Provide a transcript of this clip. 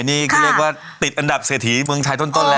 นี่คือเรียกว่าติดอันดับเสถีเมืองชายต้นนะ